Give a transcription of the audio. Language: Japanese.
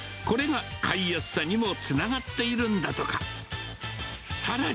これが買いやすさにもつながっているんだとか。